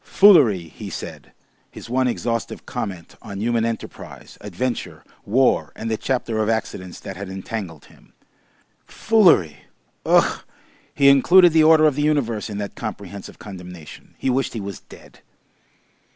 "Foolery!" he said, his one exhaustive comment on human enterprise, adventure, war, and the chapter of accidents that had entangled him. "Foolery! Ugh!" He included the order of the universe in that comprehensive condemnation. He wished he was dead.